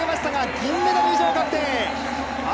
銀メダル以上が確定。